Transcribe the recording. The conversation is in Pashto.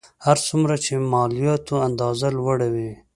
هر څومره چې د مالیاتو اندازه لوړه وي